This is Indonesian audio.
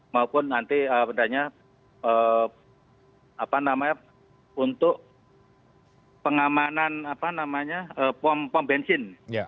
maupun nanti untuk pengamanan pom bensin